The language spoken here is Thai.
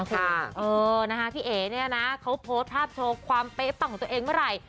พี่เอ๋เนี่ยนะเขาโพสต์ภาพโชว์ความเป๊ะปังของตัวเองเมื่อไหร่